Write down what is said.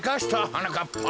はなかっぱ。